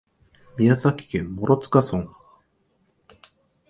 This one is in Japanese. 宮崎県諸塚村